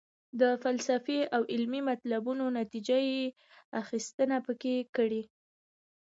د فلسفي او علمي مطلبونو نتیجه یې اخیستنه پکې کړې.